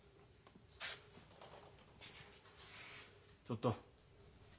ちょっと。